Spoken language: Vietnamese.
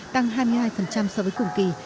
tăng hai mươi hai so với cùng kỳ